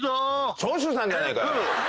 長州さんじゃねえかよ。